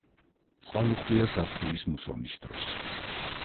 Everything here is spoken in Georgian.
წყალუხვია ზაფხულის მუსონის დროს.